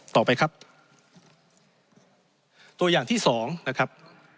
ต่อไปครับตัวอย่างที่สองนะครับ